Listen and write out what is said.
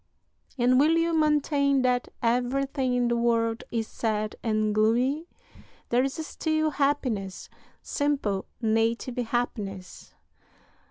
And will you maintain that everything in the world is sad and gloomy? There is still happiness simple, native happiness.